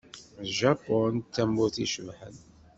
Japun d tamurt icebḥen.